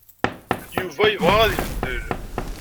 Yuba yebɣa ad ibeddel.